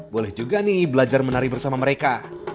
boleh juga nih belajar menari bersama mereka